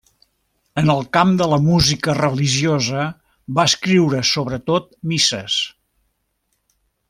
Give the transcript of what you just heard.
En el camp de la música religiosa va escriure sobretot misses.